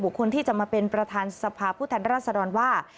บุคคลที่จะมาเป็นประธานสภาพผู้แทนรัฐศรรณว่า